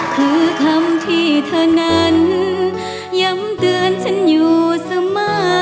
คือคำที่เธอนั้นย้ำเตือนฉันอยู่เสมอ